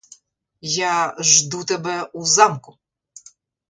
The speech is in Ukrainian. Я жду тебе у замку!